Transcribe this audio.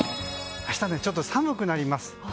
明日はちょっと寒くなります。